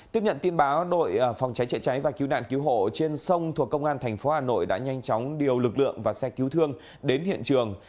tiếp nhận tin báo đội phòng cháy chữa cháy và cứu nạn cứu hộ trên sông thuộc công an tp hà nội đã nhanh chóng điều lực lượng và xe cứu thương đến hiện trường